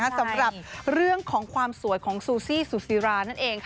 สำหรับเรื่องของความสวยของซูซี่สุซิรานั่นเอง